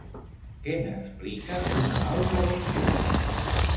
Què n'explica una altra versió?